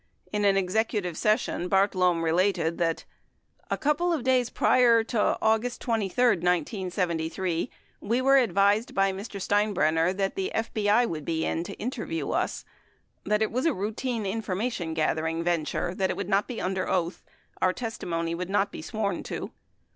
In executive session, Bartlome related that : A couple of days prior to August 23, 1973, we were advised by Mr. Steinbrenner that the FBI would be in to interview us, that it was a routine information gathering venture, that it would not be under oath, our testimony would not be sworn to.